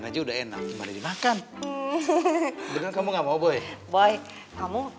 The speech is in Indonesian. terima kasih ya